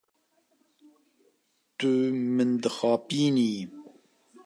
Tu min dixapînî.